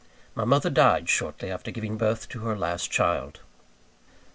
My mother died shortly after giving birth to her last child.